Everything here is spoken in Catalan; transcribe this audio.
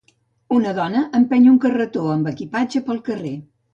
Una dona empeny un carretó amb equipatge pel carrer.